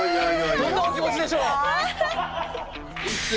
どんなお気持ちでしょう？